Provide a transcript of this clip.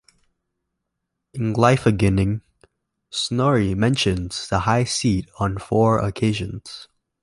In "Gylfaginning", Snorri mentions the high seat on four occasions.